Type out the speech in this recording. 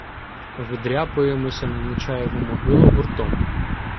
Видряпуємося на Нечаєву могилу гуртом.